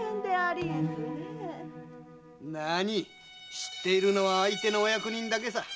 なあに知っているのは相手のお役人だけさ。